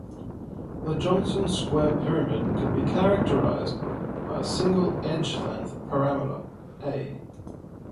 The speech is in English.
The Johnson square pyramid can be characterized by a single edge-length parameter "a".